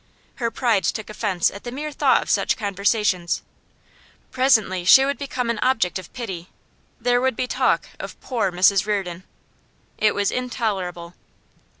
Her pride took offence at the mere thought of such conversations. Presently she would become an object of pity; there would be talk of 'poor Mrs Reardon.' It was intolerable.